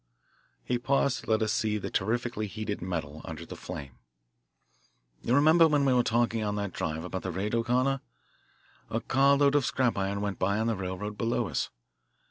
He paused to let us see the terrifically heated metal under the flame. "You remember when we were talking on the drive about the raid, O'Connor? A car load of scrap iron went by on the railroad below us.